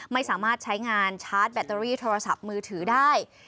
ไม่สามารถใช้งานชาร์จแบตเตอรี่โทรศัพท์มือถือได้